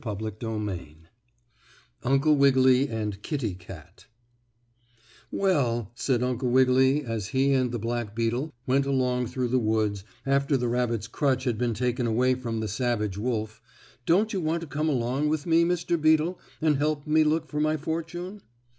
STORY XXVIII UNCLE WIGGILY AND KITTIE KAT "Well," said Uncle Wiggily, as he and the black beetle went along through the woods, after the rabbit's crutch had been taken away from the savage wolf, "don't you want to come along with me, Mr. Beetle, and help me look for my fortune?"